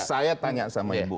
saya tanya sama ibu